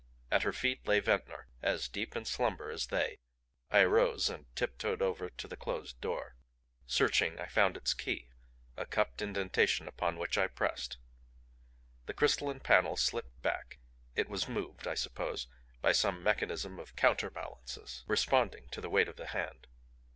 At her feet lay Ventnor, as deep in slumber as they. I arose and tip toed over to the closed door. Searching, I found its key; a cupped indentation upon which I pressed. The crystalline panel slipped back; it was moved, I suppose, by some mechanism of counterbalances responding to the weight of the hand.